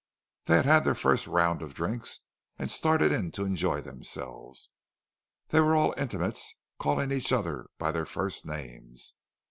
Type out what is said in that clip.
They had had their first round of drinks, and started in to enjoy themselves. They were all intimates, calling each other by their first names.